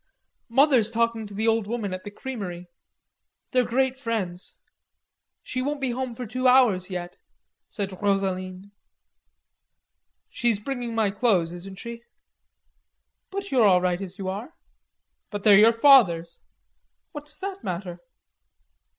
"Mother's talking to the old woman at the Creamery. They're great friends. She won't be home for two hours yet," said Rosaline. "She's bringing my clothes, isn't she?" "But you're all right as you are." "But they're your father's." "What does that matter?"